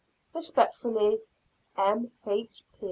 Respectfully, M. H.